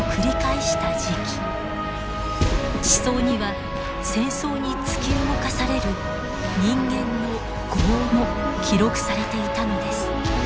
地層には戦争に突き動かされる人間の業も記録されていたのです。